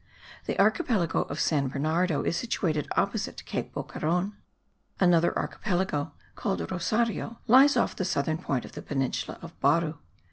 The archipelago of San Bernardo is situated opposite Cape Boqueron. Another archipelago, called Rosario, lies off the southern point of the peninsula of Baru.